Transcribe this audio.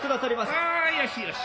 ああよしよし。